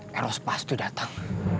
harus pas tuh dateng